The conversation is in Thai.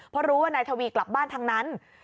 เพราะรู้ว่านายทวีกลับบ้านทั้งนั้น